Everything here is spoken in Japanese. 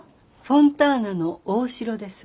フォンターナの大城です。